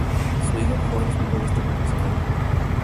Su hijo Joe es futbolista profesional.